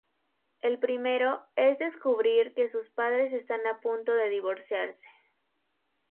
El primero, es descubrir que sus padres están a punto de divorciarse.